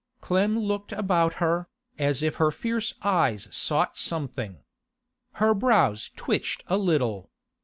Clem looked about her, as if her fierce eyes sought something. Her brows twitched a little.